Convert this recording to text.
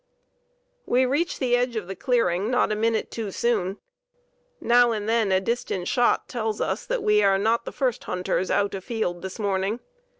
"We reach the edge of the clearing not a minute too soon. Now and then a distant shot tells us that we are not the first hunters out afield this morning.